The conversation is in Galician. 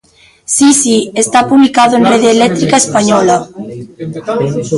Si, si, está publicado en Rede Eléctrica Española.